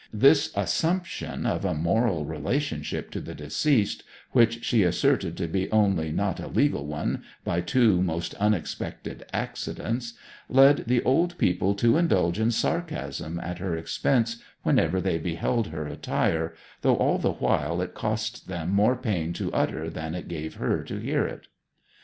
This assumption of a moral relationship to the deceased, which she asserted to be only not a legal one by two most unexpected accidents, led the old people to indulge in sarcasm at her expense whenever they beheld her attire, though all the while it cost them more pain to utter than it gave her to hear it.